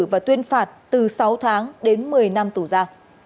và tuyên phạt từ sáu tháng đến một mươi năm tù ra